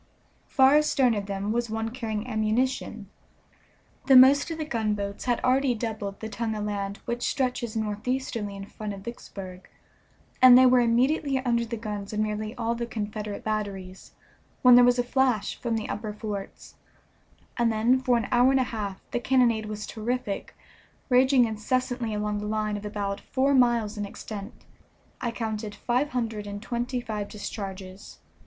Far astern of them was one carrying ammunition. The most of the gunboats had already doubled the tongue of land which stretches northeasterly in front of Vicksburg, and they were immediately under the guns of nearly all the Confederate batteries, when there was a flash from the upper forts, and then for an hour and a half the cannonade was terrific, raging incessantly along the line of about four miles in extent. I counted five hundred and twenty five discharges.